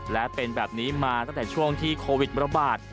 และเป็นแบบนี้มาตั้งแต่ช่วงที่โควิดระบาด